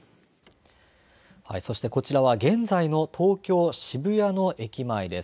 そしてこちらは現在の東京渋谷の駅前です。